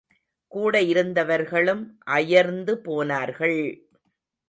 கூட இருந்தவர்களும் அயர்ந்து போனார்கள்!